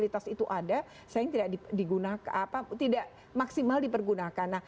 tidak maksimal dipergunakan